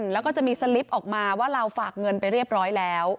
แล้วก็จะมีสลิปออกมาว่าเราฝากเงินไปเรียบร้อยแล้ว